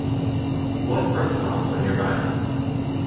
What restaurants are nearby?